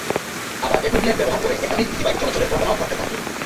আবার একই প্লেট ব্যবহার করে একাধিক ইজিবাইক চলাচলের ঘটনাও ঘটতে থাকে।